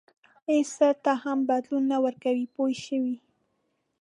هېڅ څه ته هم بدلون نه ورکوي پوه شوې!.